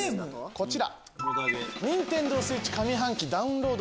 こちら。